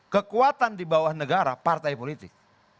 kekuatan di bawah negara partai politik